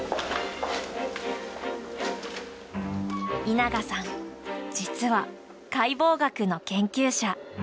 稲賀さん実は解剖学の研究者。